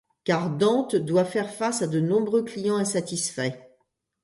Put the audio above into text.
Car Dante doit faire face à de nombreux clients insatisfaits.